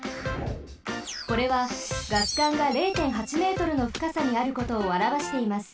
これはガス管が０．８Ｍのふかさにあることをあらわしています。